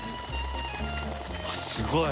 すごい。